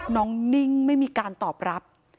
นิ่งไม่มีการตอบรับ